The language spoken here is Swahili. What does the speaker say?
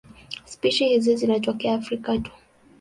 Spishi hizi zinatokea Afrika tu.